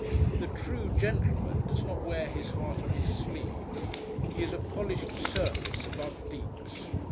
The True Gentleman does not wear his heart on his sleeve. He is a polished surface above deeps.